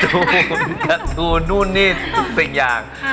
กระตูนกระตูนนู่นนี่ทุกสิ่งอย่าง